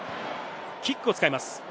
キックを使います。